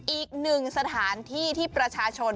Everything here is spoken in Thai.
อีกหนึ่งสถานที่ที่ประชาชน